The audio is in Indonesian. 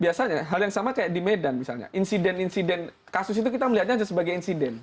biasanya hal yang sama kayak di medan misalnya insiden insiden kasus itu kita melihatnya sebagai insiden